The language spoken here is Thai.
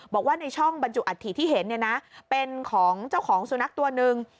บอกว่าในช่องบรรจุอัฐิที่เห็นเป็นของเจ้าของสุนัขตัวหนึ่ง